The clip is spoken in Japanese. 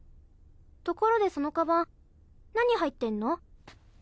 ところでそのカバン何入ってんの？